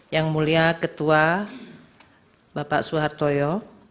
yang mulia ketua bapak suhartoyo